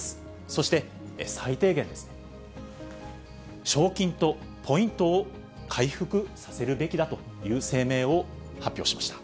そして最低限、賞金とポイントを回復させるべきだという声明を発表しました。